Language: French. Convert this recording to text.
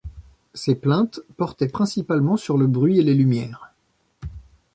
Ces plaintes portaient principalement sur le bruit et les lumières.